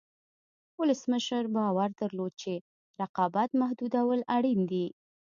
ولسمشر باور درلود چې رقابت محدودول اړین دي.